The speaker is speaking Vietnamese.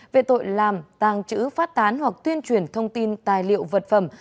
về tội làm tàng trữ phát tán hoặc tuyên truyền thông tin tài liệu vật phẩm